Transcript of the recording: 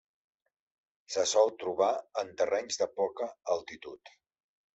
Se sol trobar en terrenys de poca altitud.